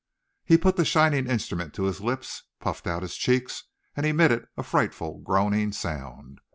He put the shining instrument to his lips, puffed out his cheeks, and emitted a frightful groaning sound.